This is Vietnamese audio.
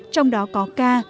trong đó có ca